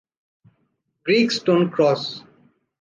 Greek stone cross